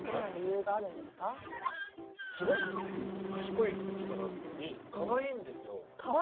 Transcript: すごく賢い人なのにかわいいんですよ。